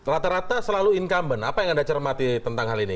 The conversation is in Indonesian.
rata rata selalu incumbent apa yang anda cermati tentang hal ini